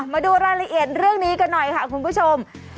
มาดูรายละเอียดเรื่องนี้กันหน่อยค่ะคุณผู้ชม